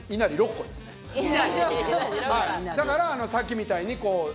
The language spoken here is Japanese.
だからさっきみたいにこう。